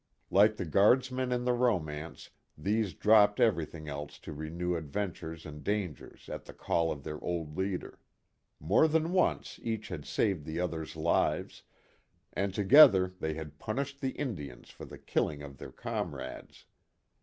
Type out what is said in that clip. Like the Guardsmen in the romance these dropped everything else to renew adventures and dangers at the call of their old leader. More than once each had saved the others' lives, and together they had punished the Indians for the killing of their comrades.